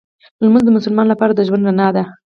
لمونځ د مسلمان لپاره د ژوند رڼا ده